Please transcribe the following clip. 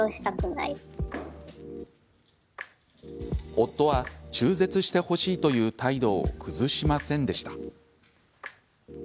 夫は中絶してほしいという態度を崩しませんでした。